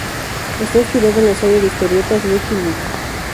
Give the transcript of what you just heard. Está inspirada en la serie de historietas Lucky Luke.